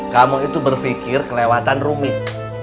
kamu itu berpikir kelewatan rumit